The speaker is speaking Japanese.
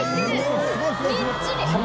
みっちり！